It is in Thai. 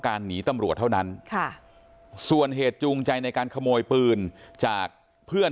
หนีตำรวจเท่านั้นค่ะส่วนเหตุจูงใจในการขโมยปืนจากเพื่อน